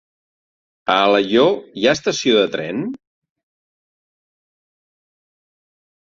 A Alaior hi ha estació de tren?